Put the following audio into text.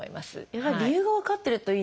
やはり理由が分かってるといいですね。